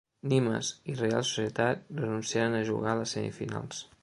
Nimes i Reial Societat renunciaren a jugar les semifinals.